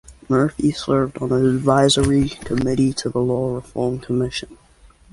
Murphy served on an advisory committee to the Law Reform Commission.